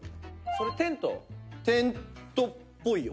テントっぽいよ。